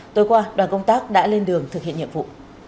tối qua đoàn công tác đã lên đường thực hiện nhiệm vụ